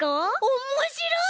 おもしろい！